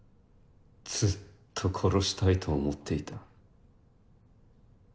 ずっと殺したいと思っていた。